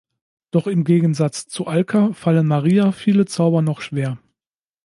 Doch im Gegensatz zu Alka fallen Maria viele Zauber noch schwer.